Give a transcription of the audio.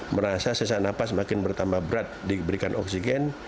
merasa sesak nafas makin bertambah berat diberikan oksigen